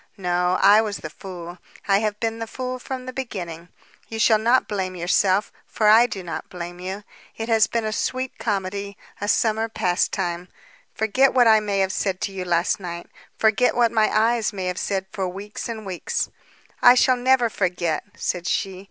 "No; I was the fool. I have been the fool from the beginning. You shall not blame yourself, for I do not blame you. It has been a sweet comedy, a summer pastime. Forget what I may have said to you last night, forget what my eyes may have said for weeks and weeks." "I shall never forget," said she.